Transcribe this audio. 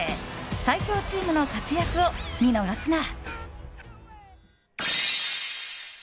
最強チームの活躍を見逃すな！